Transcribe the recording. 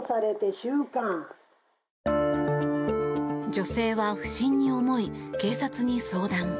女性は不審に思い警察に相談。